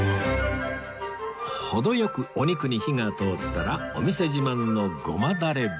程良くお肉に火が通ったらお店自慢の胡麻だれで